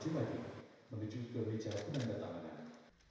menuju ke jalan yang datang